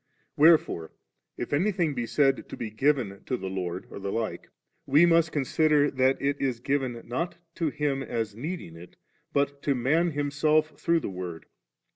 Wherefore if anything be said to be given to the Lord, or the like, we must consider that it is given, not to Him as needing it, but to man himself through the Word.